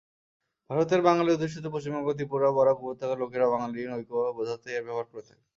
ভারতের বাঙালি অধ্যুষিত পশ্চিমবঙ্গ, ত্রিপুরা, বরাক উপত্যকার লোকেরাও বাঙালির ঐক্য বোঝাতে এর ব্যবহার করে থাকে।